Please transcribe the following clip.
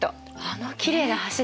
あのきれいな橋ですね。